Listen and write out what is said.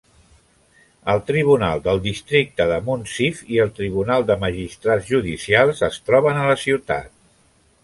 El Tribunal del Districte de Munsiff i el Tribunal de Magistrats Judicials es troben a la ciutat.